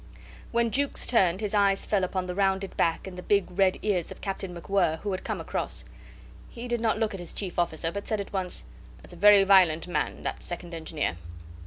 When Jukes turned, his eyes fell upon the rounded back and the big red ears of Captain MacWhirr, who had come across. He did not look at his chief officer, but said at once, "That's a very violent man, that second engineer."